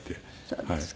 そうですか。